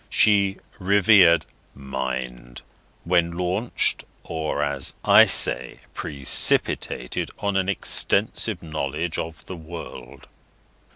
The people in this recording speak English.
She revered Mind, when launched, or, as I say, precipitated, on an extensive knowledge of the world.